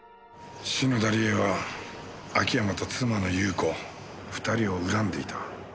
篠田理恵は秋山と妻の裕子２人を恨んでいた。